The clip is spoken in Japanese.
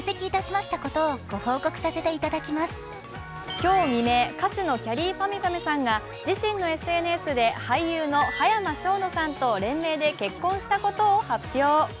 今日未明、歌手のきゃりーぱみゅぱみゅさんが自身のＳＮＳで俳優の葉山奨之さんと連名で結婚したことを発表。